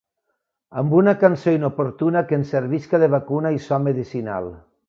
Amb una cançó inoportuna que ens servisca de vacuna i so medicinal.